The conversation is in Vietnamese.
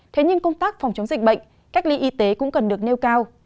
thế nhưng công tác phòng chống dịch bệnh cách ly y tế cũng cần được nêu cao